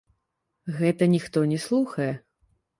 Гэта ніхто не слухае.